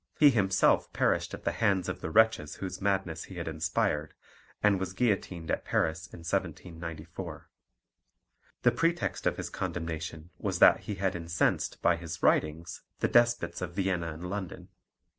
he himself perished at the hands of the wretches whose madness he had inspired, and was guillotined at Paris in 1794. The pretext of his condemnation was that he had incensed by his writings the despots of Vienna and London.